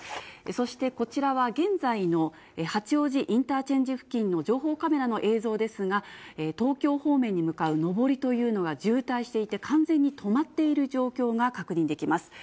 そしてこちらは現在の八王子インターチェンジ付近の情報カメラの映像ですが、東京方面に向かう上りというのが渋滞していて、完全に止まっている状況が確認できます。